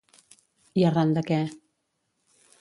I arran de què?